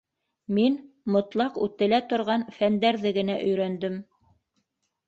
Мин мотлаҡ үтелә торған фәндәрҙе генә өйрәндем.